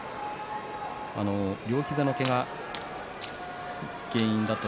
両膝のけがが原因だった